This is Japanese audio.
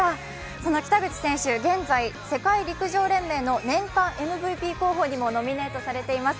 その北口選手、現在世界陸上連盟の年間ＭＶＰ候補にもノミネートされています。